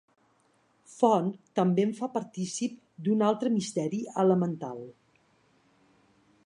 Font també em fa partícip d'un altre misteri elemental.